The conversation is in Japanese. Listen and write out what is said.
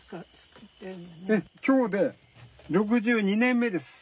今日で６２年目です。